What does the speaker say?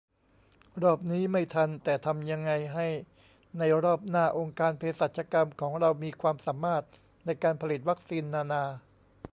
รอบนี้ไม่ทัน แต่ทำยังไงให้ในรอบหน้า องค์การเภสัชกรรมของเรามีความสามารถในการผลิตวัคซีนนานา